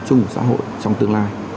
chung của xã hội trong tương lai